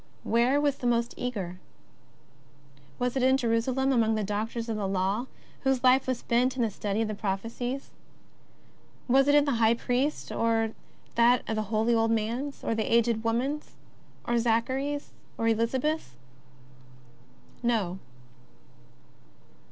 Where was the most eager ? Was it in Jerusalem among the doctors of the Law, whose life was spent in the study of the prophecies ? Was it the High Priest's, or that holy old man's, or the aged woman's, or Zach ary's, or Elizabeth's ? No.